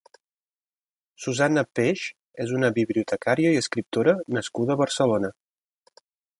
Susanna Peix és una bibliotecària i escriptora nascuda a Barcelona.